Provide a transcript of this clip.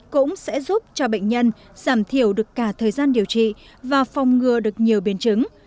cũng sẽ giúp cho bệnh nhân giảm thiểu được cả thời gian điều trị và phòng ngừa được nhiều biến chứng